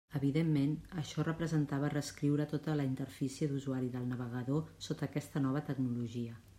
Evidentment, això representava reescriure tota la interfície d'usuari del navegador sota aquesta nova tecnologia.